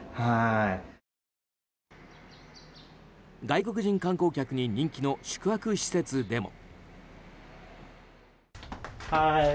外国人観光客に人気の宿泊施設でも。